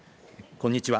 こんにちは。